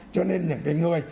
cho nên những người